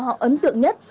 họ ấn tượng nhất